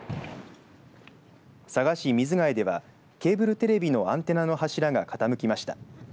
佐賀市水ケ江ではケーブルテレビのアンテナの柱が傾きました。